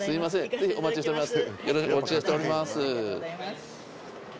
是非お待ちしております。